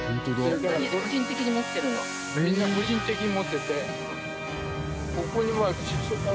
みんな個人的に持ってて。